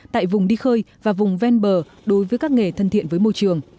tại vùng đi khơi và vùng ven bờ đối với các nghề thân thiện với môi trường